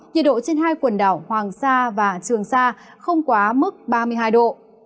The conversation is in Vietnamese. nhiệt độ trên hai quần đảo hoàng sa và trường sa không quá mức ba mươi hai độ